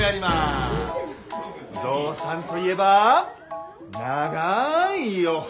ぞうさんといえば長いお鼻。